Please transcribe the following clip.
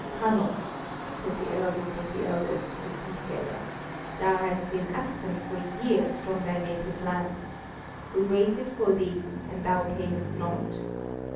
"Hanno," said the eldest of the elders to the seafarer, "thou hast been absent for years from thy native land; we waited for thee and thou camest not.